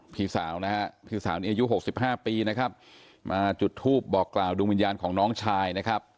พี่สาวนะฮะพี่สาวนี้อายุ๖๕ปีนะครับมาจุดทูปบอกกล่าวดวงวิญญาณของน้องชายนะครับ